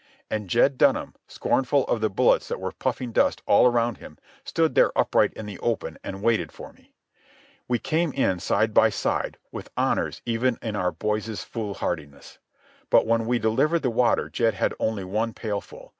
And Jed Dunham, scornful of the bullets that were puffing dust all around him, stood there upright in the open and waited for me. We came in side by side, with honours even in our boys' foolhardiness. But when we delivered the water Jed had only one pailful.